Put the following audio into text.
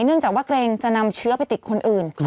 เนื่องจากว่าเกรงจะนำเชื้อไปติดคนอื่น